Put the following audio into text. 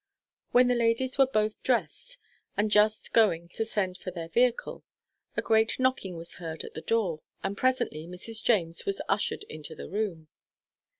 When the ladies were both drest, and just going to send for their vehicle, a great knocking was heard at the door, and presently Mrs. James was ushered into the room.